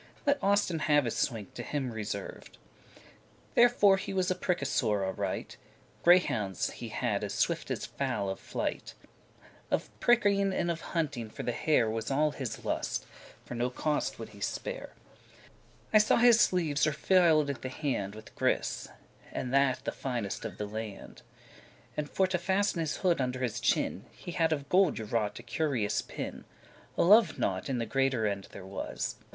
Let Austin have his swink to him reserved. Therefore he was a prickasour* aright: *hard rider Greyhounds he had as swift as fowl of flight; Of pricking* and of hunting for the hare *riding Was all his lust,* for no cost would he spare. *pleasure I saw his sleeves *purfil'd at the hand *worked at the end with a With gris,* and that the finest of the land. fur called "gris"* And for to fasten his hood under his chin, He had of gold y wrought a curious pin; A love knot in the greater end there was.